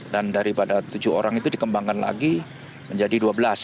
dan daripada tujuh orang itu dikembangkan lagi menjadi dua belas